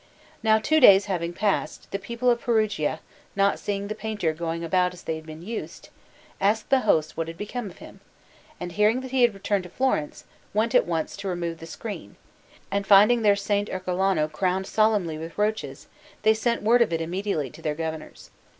Now, two days having passed, the people of Perugia, not seeing the painter going about as they had been used, asked the host what had become of him, and, hearing that he had returned to Florence, went at once to remove the screen; and finding their S. Ercolano crowned solemnly with roaches, they sent word of it immediately to their governors.